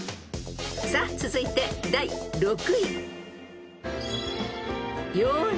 ［さあ続いて第６位］